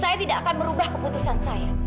saya tidak akan merubah keputusan saya